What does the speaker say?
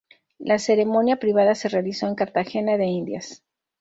La ceremonia privada se realizó en Cartagena de Indias.